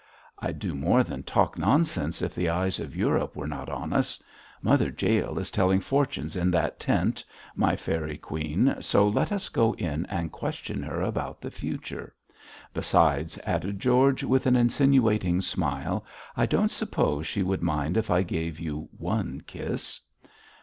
'I'd do more than talk nonsense if the eyes of Europe were not on us. Mother Jael is telling fortunes in that tent, my fairy queen, so let us go in and question her about the future. Besides,' added George, with an insinuating smile, 'I don't suppose she would mind if I gave you one kiss.'